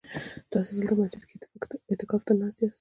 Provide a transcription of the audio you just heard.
تاسي دلته مسجد کي اعتکاف ته ناست ياست؟